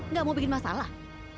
nggak mau bikin masalah